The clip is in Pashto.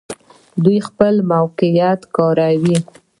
دوی خپل موقعیت کاروي.